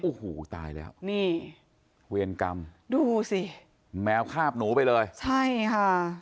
โอ้โหตายแล้วนี่เวรกรรมดูสิแมวคาบหนูไปเลยใช่ค่ะ